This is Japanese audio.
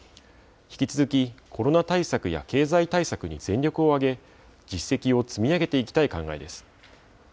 引き続き、コロナ対策や経済対策に全力を挙げ、実績を積み上げていきたい考えです。